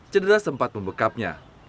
cedera sempat membekapnya